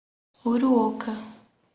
Uruoca